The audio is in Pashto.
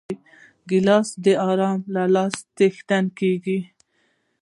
ګیلاس د آرام له لاسه څښل کېږي.